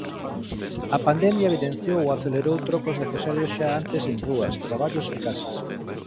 A pandemia evidenciou ou acelerou trocos necesarios xa antes en rúas, traballos e casas.